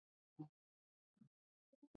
هرات د افغانستان د جغرافیوي تنوع مثال دی.